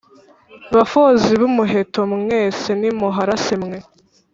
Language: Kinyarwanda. bafozi b umuheto mwese nimuharase mwe